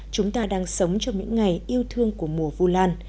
chúng ta đang sống trong những ngày yêu thương của mùa vu lan